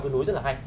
cái núi rất là hay